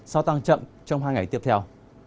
sau tăng chậm trong hai ngày tiếp theo